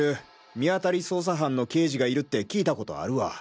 見当たり捜査班の刑事がいるって聞いたことあるわ。